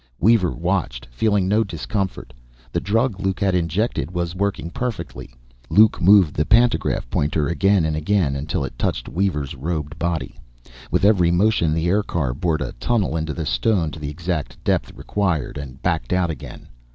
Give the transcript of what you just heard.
Weaver watched, feeling no discomfort; the drug Luke had injected was working perfectly. Luke moved the pantograph pointer, again and again, until it touched Weaver's robed body. With every motion, the aircar bored a tunnel into the stone to the exact depth required, and backed out again.